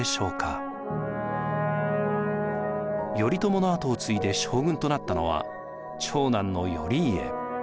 頼朝の跡を継いで将軍となったのは長男の頼家。